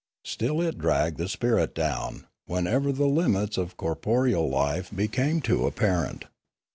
Still it dragged the spirit down, whenever the limits of corporeal life became too apparent.